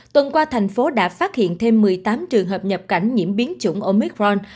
tuần qua thành phố đã phát hiện thêm một mươi tám trường hợp nhập cảnh nhiễm biến chủng omicron